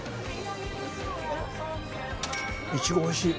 いちごおいしい。